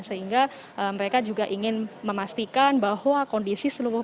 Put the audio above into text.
sehingga mereka juga ingin memastikan bahwa kondisi seluruh